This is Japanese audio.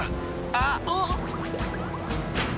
あっ。